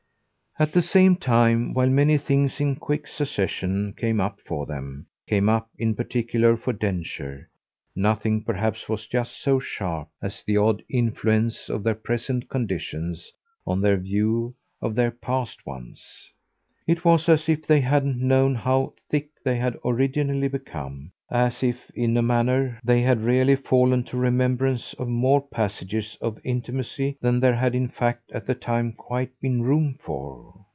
At the same time, while many things in quick succession came up for them, came up in particular for Densher, nothing perhaps was just so sharp as the odd influence of their present conditions on their view of their past ones. It was as if they hadn't known how "thick" they had originally become, as if, in a manner, they had really fallen to remembrance of more passages of intimacy than there had in fact at the time quite been room for.